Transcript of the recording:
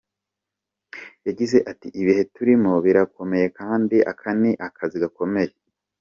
Yagize ati “Ibihe turimo birakomeye kandi aka ni akazi gakomeye.